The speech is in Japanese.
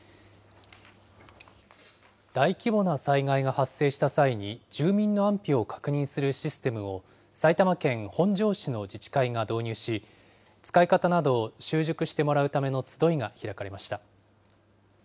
大規模な災害が発生した際に住民の安否を確認するシステムを埼玉県本庄市の自治体が導入し、使い方などを習熟してもらうための集いが開かれました。